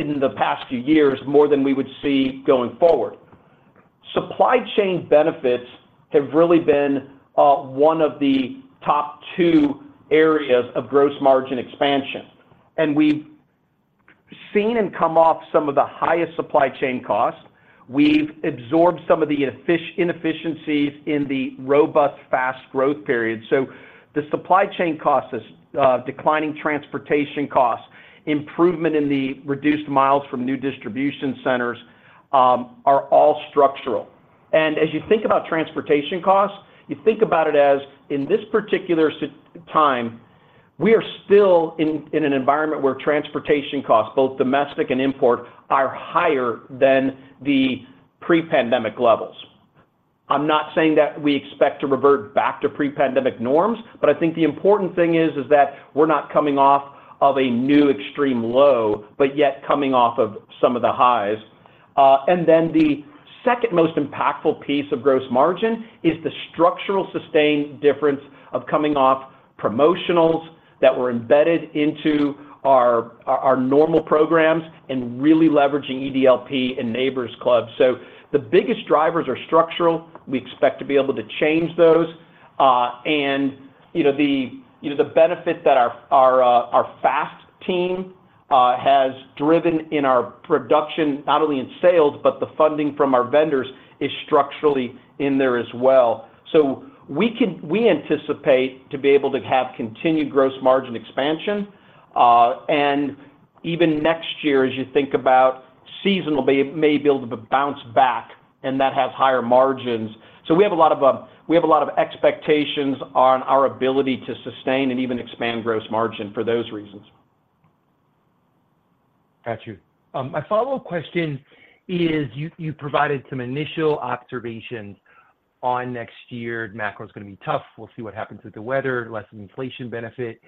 in the past few years, more than we would see going forward. Supply chain benefits have really been one of the top two areas of gross margin expansion, and we've seen and come off some of the highest supply chain costs. We've absorbed some of the inefficiencies in the robust, fast growth period. So the supply chain costs, declining transportation costs, improvement in the reduced miles from new distribution centers, are all structural. And as you think about transportation costs, you think about it as, in this particular time, we are still in an environment where transportation costs, both domestic and import, are higher than the pre-pandemic levels. I'm not saying that we expect to revert back to pre-pandemic norms, but I think the important thing is that we're not coming off of a new extreme low, but yet coming off of some of the highs. And then the second most impactful piece of gross margin is the structural sustained difference of coming off promotionals that were embedded into our normal programs and really leveraging EDLP and Neighbor's Club. So the biggest drivers are structural. We expect to be able to change those. And you know, the benefit that our FAST team has driven in our production, not only in sales, but the funding from our vendors is structurally in there as well. So we can anticipate to be able to have continued gross margin expansion. And even next year, as you think about seasonal, may be able to bounce back, and that has higher margins. So we have a lot of expectations on our ability to sustain and even expand gross margin for those reasons. Got you. My follow-up question is, you provided some initial observations on next year. Macro is gonna be tough. We'll see what happens with the weather, less inflation benefit.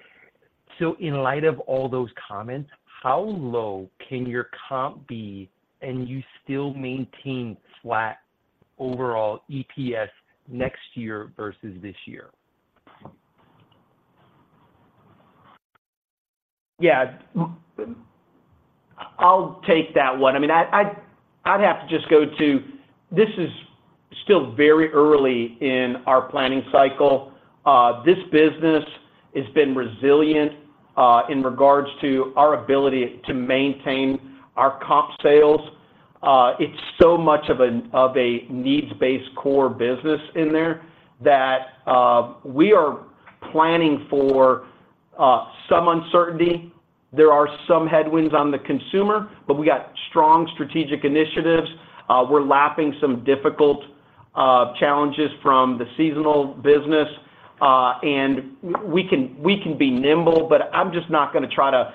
So in light of all those comments, how low can your comp be, and you still maintain flat overall EPS next year versus this year? Yeah. I'll take that one. I mean, I'd have to just go to, this is still very early in our planning cycle. This business has been resilient in regards to our ability to maintain our comp sales. It's so much of a needs-based core business in there, that we are planning for some uncertainty. There are some headwinds on the consumer, but we got strong strategic initiatives. We're lapping some difficult challenges from the seasonal business. And we can be nimble, but I'm just not gonna try to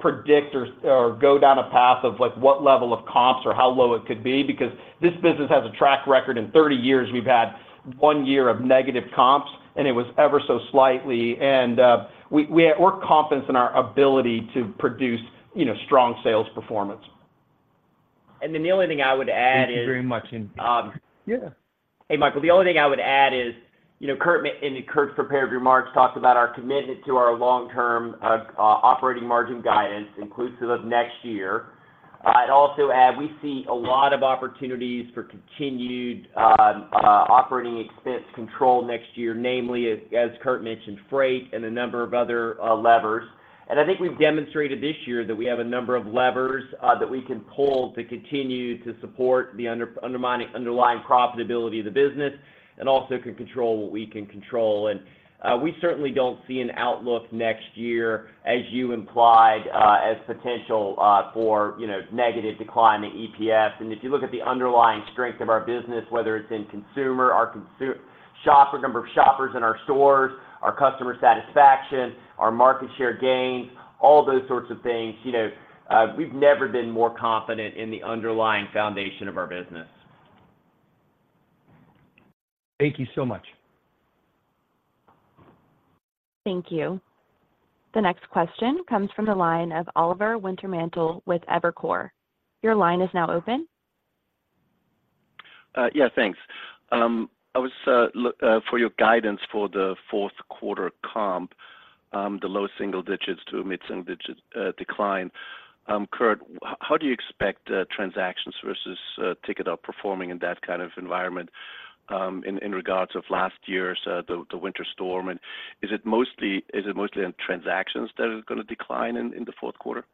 predict or go down a path of, like, what level of comps or how low it could be, because this business has a track record. In 30 years, we've had one year of negative comps, and it was ever so slightly. We're confident in our ability to produce, you know, strong sales performance. And then the only thing I would add is- Thank you very much, and, yeah. Hey, Michael, the only thing I would add is, you know, Kurt in Kurt's prepared remarks, talks about our commitment to our long-term operating margin guidance, inclusive of next year. I'd also add, we see a lot of opportunities for continued operating expense control next year, namely, as Kurt mentioned, freight and a number of other levers. And I think we've demonstrated this year that we have a number of levers that we can pull to continue to support the underlying profitability of the business and also can control what we can control. And we certainly don't see an outlook next year, as you implied, as potential for, you know, negative decline in EPS. If you look at the underlying strength of our business, whether it's in consumer, our shopper, number of shoppers in our stores, our customer satisfaction, our market share gains, all those sorts of things, you know, we've never been more confident in the underlying foundation of our business. Thank you so much. Thank you. The next question comes from the line of Oliver Wintermantel with Evercore. Your line is now open. Yeah, thanks. I was looking for your guidance for the fourth quarter comp, the low single digits to mid-single digit decline. Kurt, how do you expect transactions versus ticket outperforming in that kind of environment, in regards of last year's the winter storm? And is it mostly in transactions that is gonna decline in the fourth quarter?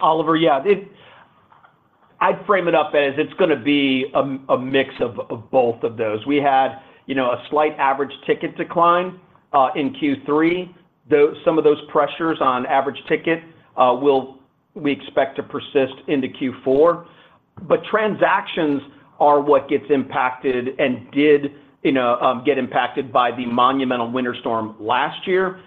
Oliver, yeah. It—I'd frame it up as it's gonna be a mix of both of those. We had, you know, a slight average ticket decline in Q3. Some of those pressures on average ticket will, we expect to persist into Q4. But transactions are what gets impacted and did, you know, get impacted by the monumental winter storm last year.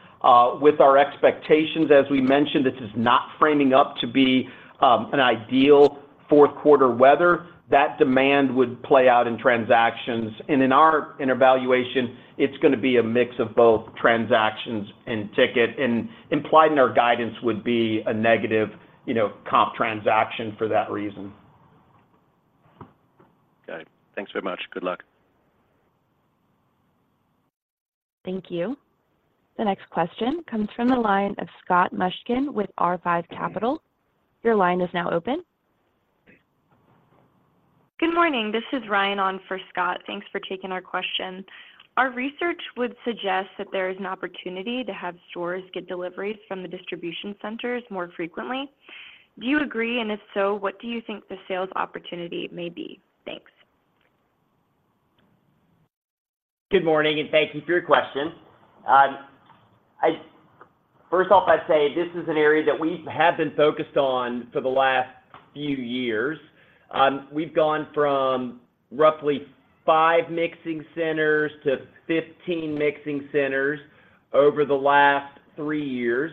With our expectations, as we mentioned, this is not framing up to be an ideal fourth quarter weather. That demand would play out in transactions. And in our evaluation, it's gonna be a mix of both transactions and ticket, and implied in our guidance would be a negative, you know, comp transaction for that reason. Okay. Thanks very much. Good luck. Thank you. The next question comes from the line of Scott Mushkin with R5 Capital. Your line is now open. Good morning, this is Ryann on for Scott. Thanks for taking our question. Our research would suggest that there is an opportunity to have stores get deliveries from the distribution centers more frequently. Do you agree? And if so, what do you think the sales opportunity may be? Thanks. Good morning, and thank you for your question. First off, I'd say this is an area that we have been focused on for the last few years. We've gone from roughly five mixing centers to 15 mixing centers over the last three years.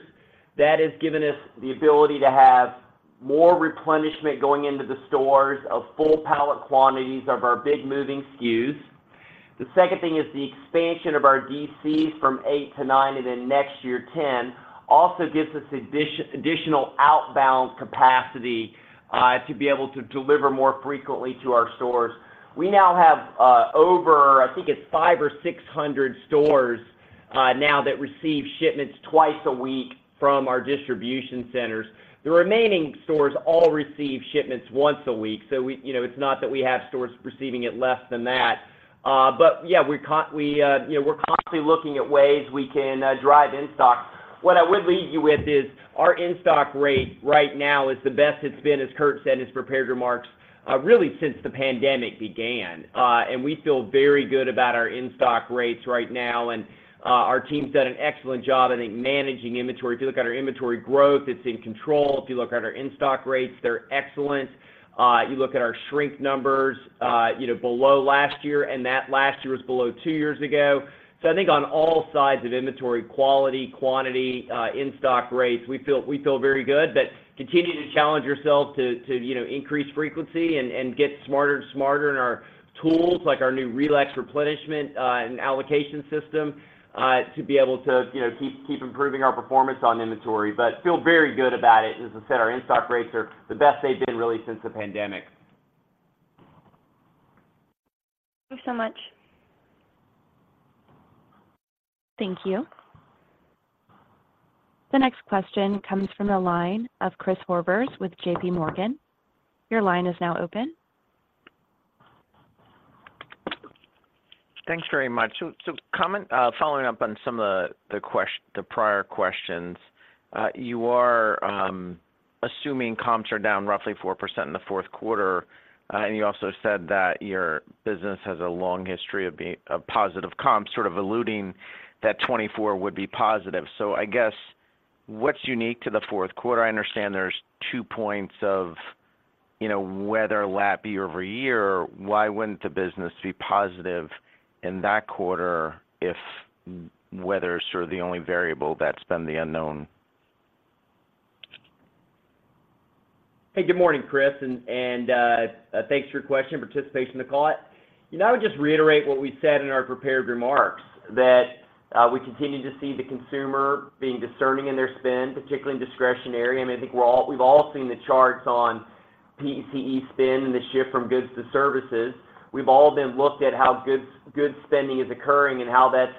That has given us the ability to have more replenishment going into the stores of full pallet quantities of our big moving SKUs. The second thing is the expansion of our DCs from eight to nine, and then next year, 10, also gives us additional outbound capacity to be able to deliver more frequently to our stores. We now have over, I think it's 500 or 600 stores now that receive shipments twice a week from our distribution centers. The remaining stores all receive shipments once a week, so we, you know, it's not that we have stores receiving it less than that. But yeah, we, you know, we're constantly looking at ways we can. What I would leave you with is our in-stock rate right now is the best it's been, as Kurt said in his prepared remarks, really since the pandemic began. And we feel very good about our in-stock rates right now, and our team's done an excellent job, I think, managing inventory. If you look at our inventory growth, it's in control. If you look at our in-stock rates, they're excellent. You look at our shrink numbers, you know, below last year, and that last year was below two years ago. So I think on all sides of inventory, quality, quantity, in-stock rates, we feel, we feel very good. But continue to challenge ourselves to, you know, increase frequency and get smarter and smarter in our tools, like our new RELEX replenishment and allocation system, to be able to, you know, keep improving our performance on inventory. But feel very good about it. As I said, our in-stock rates are the best they've been really since the pandemic. Thanks so much. Thank you. The next question comes from the line of Chris Horvers with JPMorgan. Your line is now open. Thanks very much. So, following up on some of the prior questions, you are assuming comps are down roughly 4% in the fourth quarter, and you also said that your business has a long history of being positive comps, sort of alluding that 2024 would be positive. So I guess, what's unique to the fourth quarter? I understand there's two points of, you know, weather lap year-over-year. Why wouldn't the business be positive in that quarter if weather is sort of the only variable that's been the unknown? Hey, good morning, Chris, thanks for your question, participation in the call. You know, I would just reiterate what we said in our prepared remarks, that we continue to see the consumer being discerning in their spend, particularly in discretionary. I mean, I think we're all, we've all seen the charts on PCE spend and the shift from goods to services. We've all been looked at how goods spending is occurring and how that's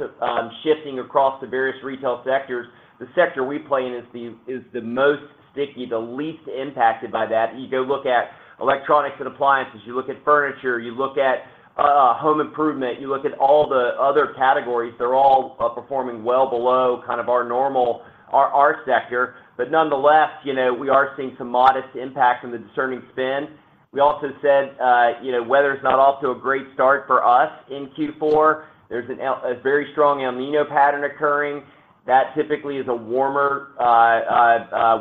shifting across the various retail sectors. The sector we play in is the most sticky, the least impacted by that. You go look at electronics and appliances, you look at furniture, you look at home improvement, you look at all the other categories, they're all performing well below kind of our normal, our sector. But nonetheless, you know, we are seeing some modest impact from the discerning spend. We also said, you know, weather's not off to a great start for us in Q4. There's a very strong El Niño pattern occurring. That typically is a warmer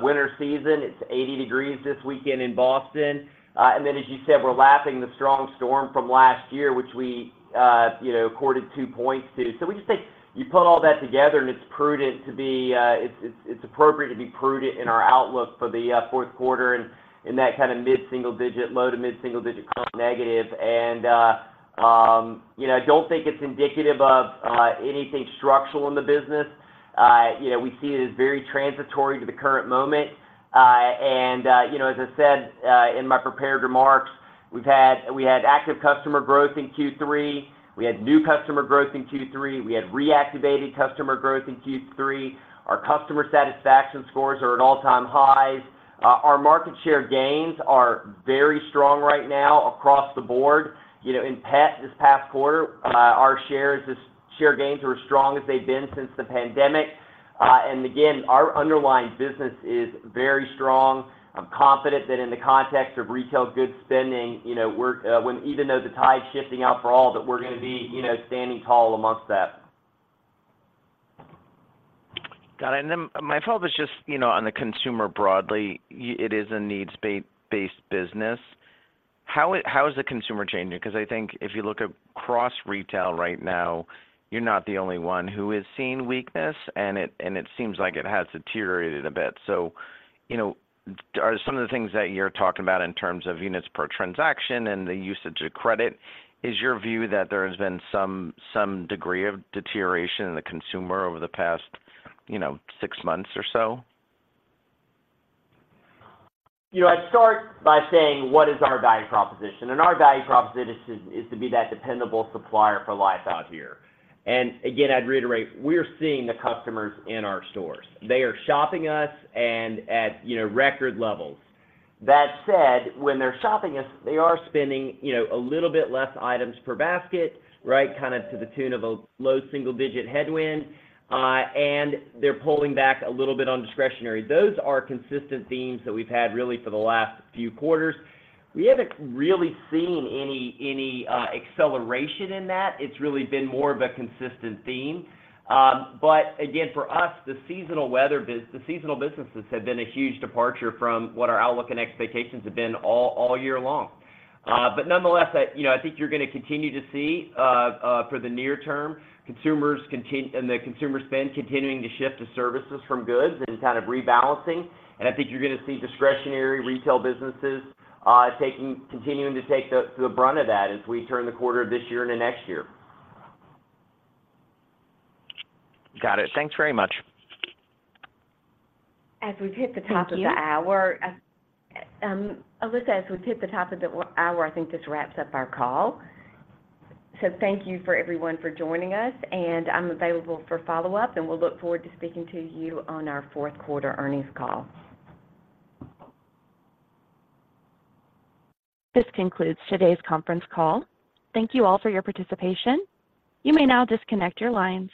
winter season. It's 80 degrees this weekend in Boston. And then, as you said, we're lapping the strong storm from last year, which we, you know, accorded two points to. So we just think you put all that together, and it's prudent to be, it's appropriate to be prudent in our outlook for the fourth quarter and in that kind of mid-single digit, low- to mid-single digit comp negative. And, you know, don't think it's indicative of anything structural in the business. You know, we see it as very transitory to the current moment. And, you know, as I said, in my prepared remarks, we've had, we had active customer growth in Q3, we had new customer growth in Q3, we had reactivated customer growth in Q3. Our customer satisfaction scores are at all-time highs. Our market share gains are very strong right now across the board. You know, in past, this past quarter, our shares, share gains are as strong as they've been since the pandemic. And again, our underlying business is very strong. I'm confident that in the context of retail goods spending, you know, we're, when even though the tide is shifting out for all, that we're gonna be, you know, standing tall amongst that. Got it. And then my follow-up is just, you know, on the consumer broadly, it is a needs-based business. How is, how is the consumer changing? Because I think if you look across retail right now, you're not the only one who is seeing weakness, and it, and it seems like it has deteriorated a bit. So, you know, are some of the things that you're talking about in terms of units per transaction and the usage of credit, is your view that there has been some, some degree of deterioration in the consumer over the past, you know, six months or so? You know, I'd start by saying, what is our value proposition? And our value proposition is to be that dependable supplier for Life Out Here. And again, I'd reiterate, we're seeing the customers in our stores. They are shopping us and at, you know, record levels. That said, when they're shopping us, they are spending, you know, a little bit less items per basket, right? Kind of to the tune of a low single-digit headwind, and they're pulling back a little bit on discretionary. Those are consistent themes that we've had really for the last few quarters. We haven't really seen any acceleration in that. It's really been more of a consistent theme. But again, for us, the seasonal businesses have been a huge departure from what our outlook and expectations have been all year long. But nonetheless, I, you know, I think you're gonna continue to see, for the near term, consumers continuing and the consumer spend continuing to shift to services from goods and kind of rebalancing. And I think you're gonna see discretionary retail businesses continuing to take the brunt of that as we turn the quarter this year into next year. Got it. Thanks very much. As we've hit the top of the hour. Thank you. Alyssa, as we've hit the top of the hour, I think this wraps up our call. So, thank you, everyone, for joining us, and I'm available for follow-up, and we'll look forward to speaking to you on our fourth quarter earnings call. This concludes today's conference call. Thank you all for your participation. You may now disconnect your lines.